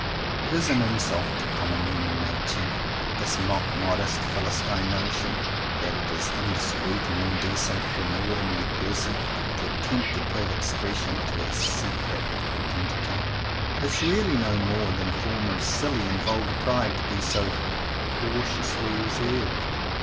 It is an insult to common human nature, this mock modest Philistine notion that it is indiscreet and indecent for an ordinary person to attempt to give expression to his secret identity. It is 16 JOHN COWPER POWYS really no more than a form of silly and vulgar pride to be so ''cautiously reserved."